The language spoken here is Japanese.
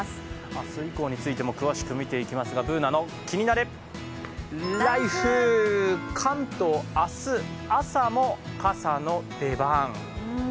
明日以降についても、詳しく見ていきますが、「ＢｏｏｎａのキニナルＬＩＦＥ」。関東、明日朝も傘の出番。